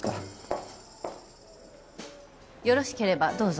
よろしければどうぞ